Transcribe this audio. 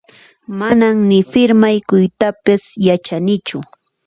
Manan ni firmaykuytapas yachanichu